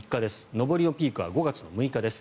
上りのピークは５月６日です。